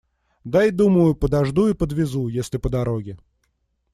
Дай, думаю, подожду и подвезу, если по дороге.